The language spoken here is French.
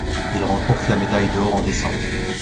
Il remporte la médaille d'or en descente.